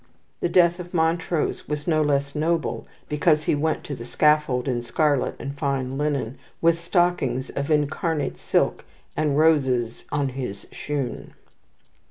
The death of Montrose was no less noble because he went to the scaffold in scarlet and fine linen, with "stockings of incarnate silk, and roses on his shoon."